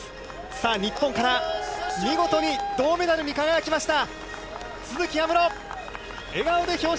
さあ、日本から見事に銅メダルに輝きました、都筑有夢路。